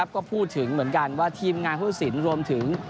ก็พูดถึงเหมือนกันว่าทีมงานผู้ตัดสินรวมถึง